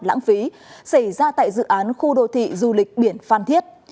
lãng phí xảy ra tại dự án khu đô thị du lịch biển phan thiết